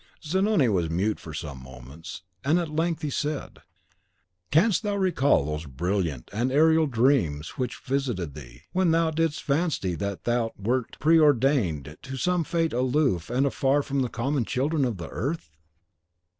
Zanoni was mute for some moments, and at length he said, "Canst thou recall those brilliant and aerial dreams which once visited thee, when thou didst fancy that thou wert preordained to some fate aloof and afar from the common children of the earth?"